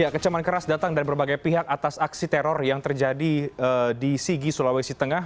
kecaman keras datang dari berbagai pihak atas aksi teror yang terjadi di sigi sulawesi tengah